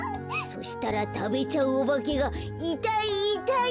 そしたらたべちゃうおばけが「いたいいたい！」